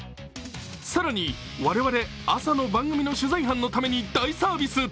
更に、我々、朝の番組の取材班のために大サービス。